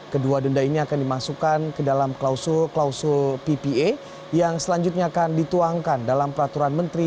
kedua denda ini akan dimasukkan ke dalam klausul klausul ppa yang selanjutnya akan dituangkan dalam peraturan menteri